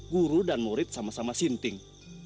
guru dan murid sama sama sinting